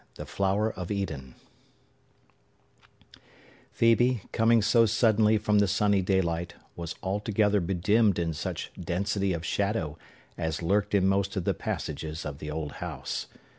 The Flower of Eden Phœbe, coming so suddenly from the sunny daylight, was altogether bedimmed in such density of shadow as lurked in most of the passages of the old house.